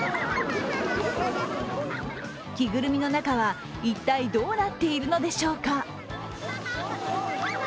着ぐるみの中は一体どうなっているのでしょうか。